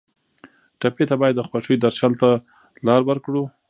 ټپي ته باید د خوښیو درشل ته لار ورکړو.